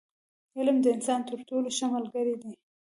• علم، د انسان تر ټولو ښه ملګری دی.